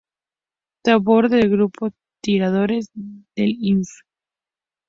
Tabor del Grupo de Tiradores de Ifni.